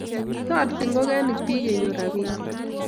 Toreti ngokenik biik konyor rapinik